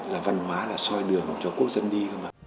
là văn hóa là soi đường cho quốc dân đi